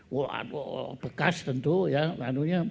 wah bekas tentu ya